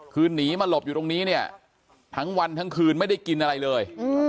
คือหนีมาหลบอยู่ตรงนี้เนี่ยทั้งวันทั้งคืนไม่ได้กินอะไรเลย